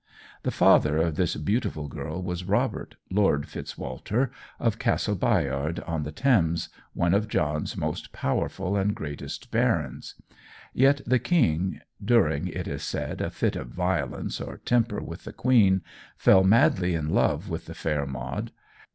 The father of this beautiful girl was Robert, Lord Fitz Walter, of Castle Baynard, on the Thames, one of John's most powerful and greatest barons. Yet the King, during, it is said, a fit of violence or temper with the Queen, fell madly in love with the fair Maud.